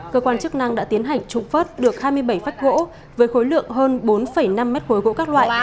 cơ quan chức năng đã tiến hành trụng phớt được hai mươi bảy phát gỗ với khối lượng hơn bốn năm mét khối gỗ các loại